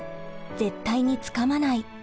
絶対につかまない。